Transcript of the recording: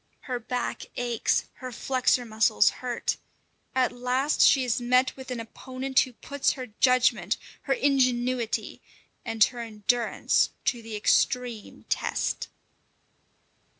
Her back aches, her flexor muscles hurt. At last she has met with an opponent who puts her judgment, her ingenuity, and her endurance to the extreme test.